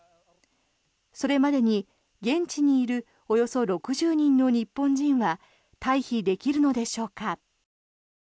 それまでに、現地にいるおよそ６０人の日本人は退避できるのでしょうか。